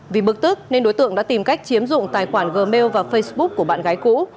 vì bực tức nên đối tượng đã tìm cách chiếm dụng tài khoản gmail và facebook của bạn gái cũ